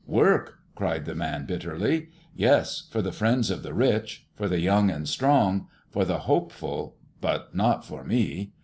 "Work!" cried the man bitterly. "Yes, for the friends of the rich; for the young and strong; for the hopeful, but not for me.